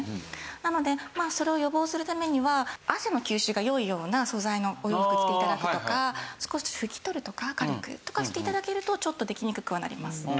なのでそれを予防するためには汗の吸収が良いような素材のお洋服を着て頂くとか少し拭き取るとか軽く。とかして頂けるとちょっとできにくくはなります。